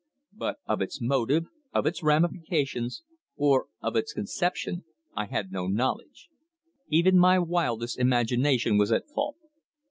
But of its motive, of its ramifications, or of its conception, I had no knowledge. Even my wildest imagination was at fault.